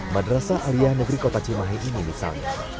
madrasah alia negeri kota cimahi ini misalnya